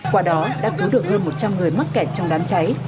qua đó đã cứu được hơn một trăm linh người mắc kẹt trong đám cháy